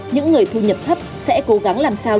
những người thu nhập thấp sẽ cố gắng làm sao